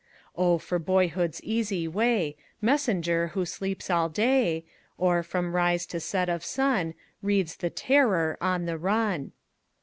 Oh, for boyhood's easy way Messenger who sleeps all day, Or, from rise to set of sun, Reads "The Terror" on the run.